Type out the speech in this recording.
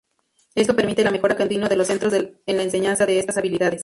Esto permite la mejora continua de los centros en la enseñanza de estas habilidades.